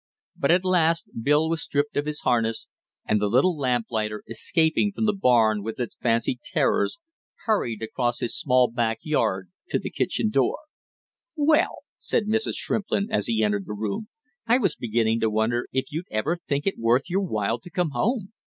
But at last Bill was stripped of his harness, and the little lamplighter, escaping from the barn with its fancied terrors, hurried across his small back yard to his kitchen door. "Well!" said Mrs. Shrimplin, as he entered the room. "I was beginning to wonder if you'd ever think it worth your while to come home!"